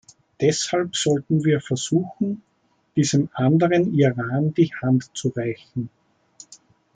Deshalb sollten wir versuchen, diesem anderen Iran die Hand zu reichen.